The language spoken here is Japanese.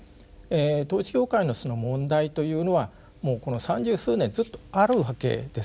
統一教会の問題というのはもうこの３０数年ずっとあるわけです。